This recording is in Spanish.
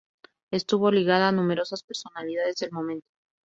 Estuvo ligada a numerosas personalidades del momento.